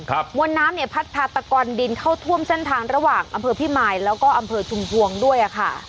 มวลน้ำเนี่ยพัดพาตะกอนดินเข้าท่วมเส้นทางระหว่างอำเภอพิมายแล้วก็อำเภอชุมพวงด้วยอ่ะค่ะ